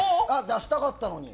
出したかったのに。